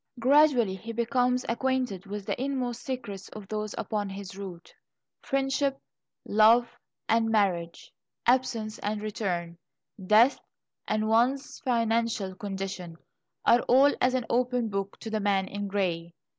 Gradually he becomes acquainted with the inmost secrets of those upon his route. Friendship, love, and marriage, absence and return, death, and one's financial condition, are all as an open book to the man in grey.